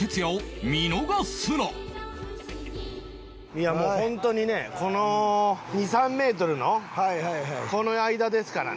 いやもう本当にねこの２３メートルのこの間ですからね。